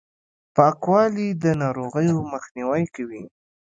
پاکوالي، د ناروغیو مخنیوی کوي.